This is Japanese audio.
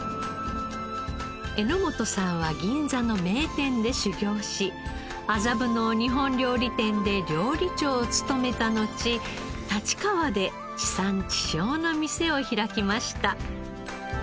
榎本さんは銀座の名店で修業し麻布の日本料理店で料理長を務めたのち立川で地産地消の店を開きました。